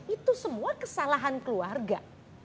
itu semua kesalahan keluarga